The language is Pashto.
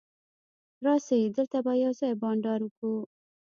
راسئ! دلته به یوځای بانډار وکو.